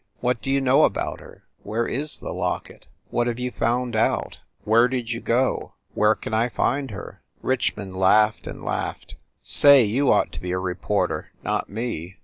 What do you know about her? Where is the locket? What have you found out? Where did you go? Where can I find her?" Richmond laughed and laughed. "Say, you ought to be a reporter, not me